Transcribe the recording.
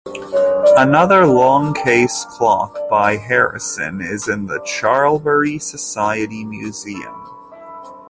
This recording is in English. Another longcase clock by Harrison is in the Charlbury Society Museum.